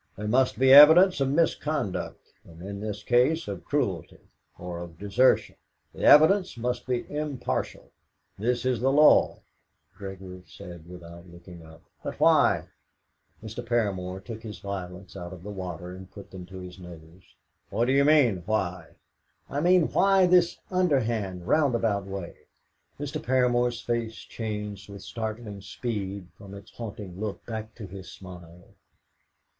There must be evidence of misconduct, and in this case of cruelty or of desertion. The evidence must be impartial. This is the law." Gregory said without looking up: "But why?" Mr. Paramor took his violets out of the water, and put them to his nose. "How do you mean why?" "I mean, why this underhand, roundabout way?" Mr. Paramor's face changed with startling speed from its haunting look back to his smile.